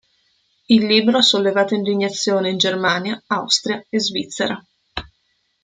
Il libro ha sollevato indignazione in Germania, Austria e Svizzera.